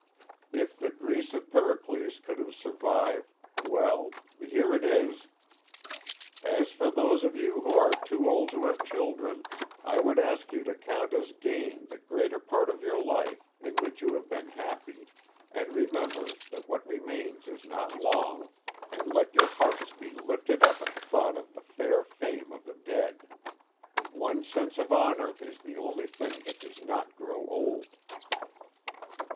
If the Greece of Pericles could have survived well.... Here it is: 'As for those of you who are too old to have children, I would ask you to count as gain the greater part of your life, in which you have been happy, and remember that what remains is not long, and let your hearts be lifted up at the thought of the fair fame of the dead. One's sense of honor is the only thing that does not grow old.'"